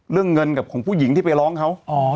เรื่องเงินกับของผู้หญิงที่ไปร้องเขา